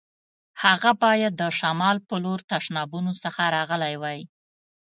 هغه باید د شمال په لور تشنابونو څخه راغلی وای.